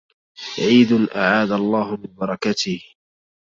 عيد اعاد الله من بركاته